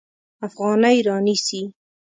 افغانۍ رانیسي.